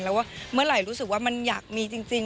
แล้วว่าเมื่อไหร่รู้สึกว่ามันอยากมีจริง